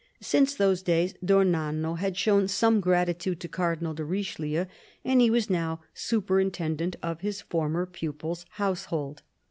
Since those days d'Ornano had owed some gratitude to Cardinal de Richelieu, and he was now superintendent of his former pupil's household.